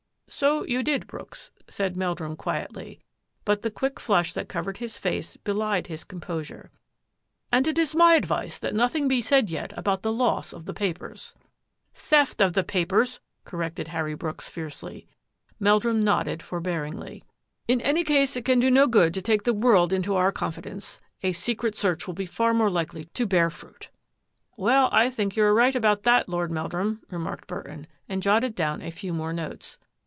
" So you did. Brooks," said Meldrum quietly, but the quick flush that covered his face belied his composure, " and it is my advice that nothing be said yet about the loss of the papers." " Theft of the papers !" corrected Harry Brooks fiercely. Meldrum nodded forbearingly. " In any case 64 THAT AFFAIR AT THE MANOR it can do no good to take the world into our con fidence. A secret search will be far more likely to bear fruit.'* " Well, I think you are right about that, Lord Meldrum," remarked Burton, and jotted down a few more notes.